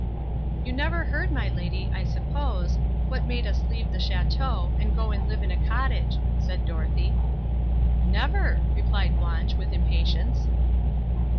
"You never heard, my lady, I suppose, what made us leave the château, and go and live in a cottage," said Dorothée. "Never!" replied Blanche with impatience.